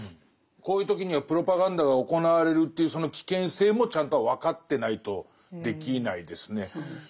こういう時にはプロパガンダが行われるというその危険性もちゃんと分かってないとできないですね。